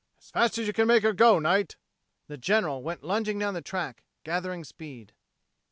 As fast as you can make her go, Knight." The General went lunging down the track, gathering speed.